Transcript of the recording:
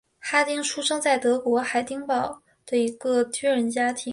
哈丁出生在德国海德堡的一个军人家庭。